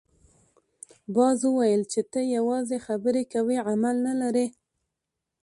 باز وویل چې ته یوازې خبرې کوې عمل نه لرې.